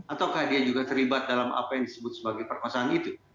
ataukah dia juga terlibat dalam apa yang disebut sebagai perkosaan itu